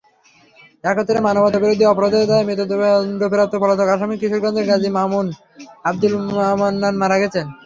একাত্তরে মানবতাবিরোধী অপরাধের দায়ে মৃত্যুদণ্ডপ্রাপ্ত পলাতক আসামি কিশোরগঞ্জের গাজী আবদুল মান্নান মারা গেছেন।